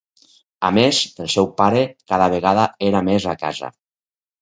A més, el seu pare cada vegada era més a casa.